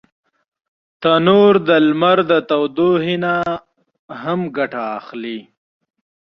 تنور د لمر د تودوخي نه هم ګټه اخلي